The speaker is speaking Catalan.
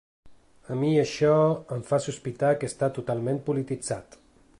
A mi això em fa sospitar que està totalment polititzat.